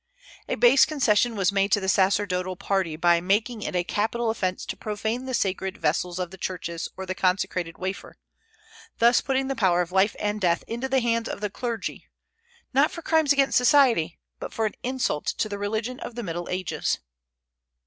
A base concession was made to the sacerdotal party, by making it a capital offence to profane the sacred vessels of the churches or the consecrated wafer; thus putting the power of life and death into the hands of the clergy, not for crimes against society but for an insult to the religion of the Middle Ages.